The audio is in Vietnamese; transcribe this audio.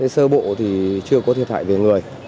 sơ bộ thì chưa có thiệt hại về người